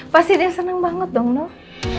pasti dia seneng banget dong noh